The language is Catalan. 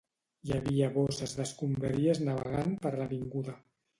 Hi havia bosses d'escombraries navegant per l'avinguda